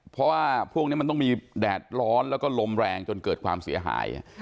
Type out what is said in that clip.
เพราะว่าพวกนี้มันต้องมีแดดร้อนแล้วก็ลมแรงจนเกิดความเสียหาย